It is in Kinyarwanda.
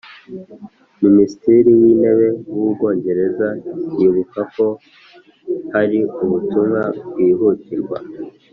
minisitiri w’intebe w’ubwongereza yibuka ko hari ubutumwa bwihutirwa